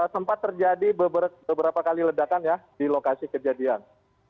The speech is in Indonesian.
sempat terjadi beberapa kali ledakan ya di lokasi kejadian